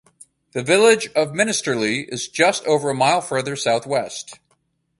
The village of Minsterley is just over a mile further southwest.